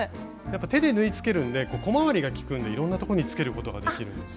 手で縫いつけるんで小回りが利くんでいろんなとこにつけることができるんです。